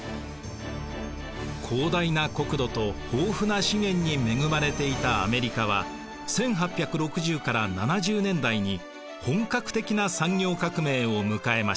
広大な国土と豊富な資源に恵まれていたアメリカは１８６０から７０年代に本格的な産業革命を迎えました。